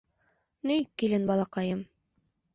—Ни, килен, балаҡайым.